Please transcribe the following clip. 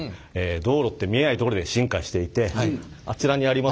道路って見えないところで進化していてあちらにあります